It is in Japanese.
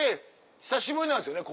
久しぶりなんですよね